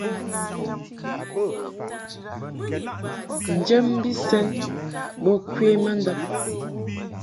Njam bi sɛn bo kwe ma ndab.